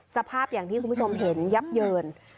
สภาพอย่างที่คุณผู้ชมเห็นยับเยิน